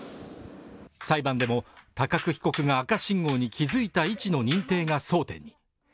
裁判でも高久被告が赤信号に気づいた位置の認定が争点に。